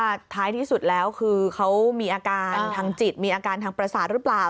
ท้ายที่สุดแล้วคือเขามีอาการทางจิตมีอาการทางประสาทหรือเปล่า